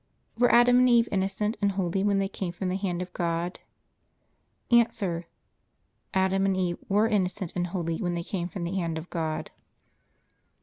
Were Adam and Eve innocent and holy when they came from the hand of God? A. Adam and Eve were innocent and holy when they came from the hand of God.